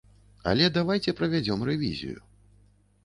Але давайце правядзём рэвізію.